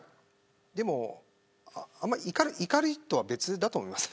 でも、怒りとは別だと思います